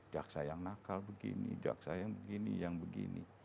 jaksa yang nakal begini jaksa yang begini yang begini